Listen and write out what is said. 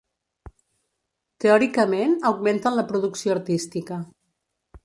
Teòricament augmenten la producció artística.